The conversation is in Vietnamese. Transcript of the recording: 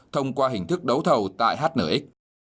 thông qua hình thức đấu thầu tại hnx